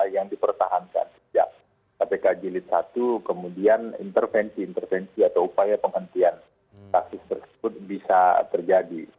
yang dipertahankan sejak kpk jilid satu kemudian intervensi intervensi atau upaya penghentian kasus tersebut bisa terjadi